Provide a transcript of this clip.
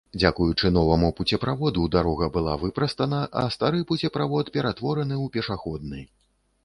Дзякуючы новаму пуцеправоду дарога была выпрастана, а стары пуцеправод ператвораны ў пешаходны.